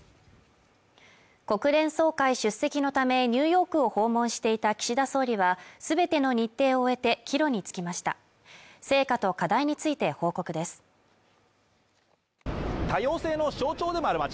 国連総会出席のためニューヨークを訪問していた岸田総理はすべての日程を終えて帰路につきました成果と課題について報告です多様性の象徴でもある街